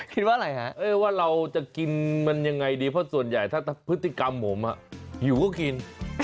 คิดว่าอะไรฮะว่าเราจะกินมันยังไงดีเพราะส่วนใหญ่ถ้าพฤติกรรมผมหิวก็กิน